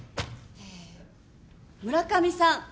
村上さん。